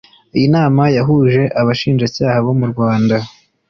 Iyi nama yahuje abashinjacyaha bo mu Rwanda